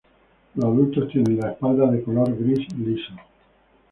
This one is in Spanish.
Los adultos tienen la espalda de color gris liso.